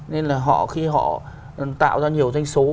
nên là họ khi họ tạo ra nhiều doanh số